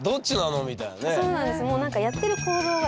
そうなんです。